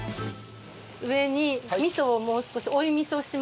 上に味噌をもう少し追い味噌をします。